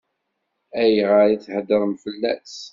Ayɣer i theddṛemt fell-as?